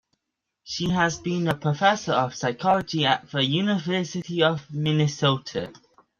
She had been a professor of psychology at the University of Minnesota.